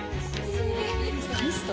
ミスト？